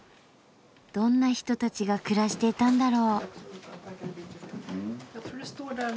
どんな人たちが暮らしていたんだろう？